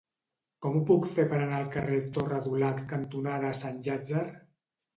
Com ho puc fer per anar al carrer Torre Dulac cantonada Sant Llàtzer?